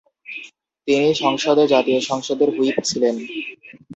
একই সংসদে তিনি জাতীয় সংসদের হুইপ ছিলেন।